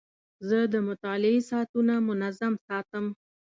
زه د مطالعې ساعتونه منظم ساتم.